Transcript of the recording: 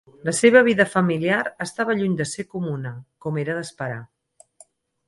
La seva vida familiar estava lluny de ser comuna, com era d'esperar.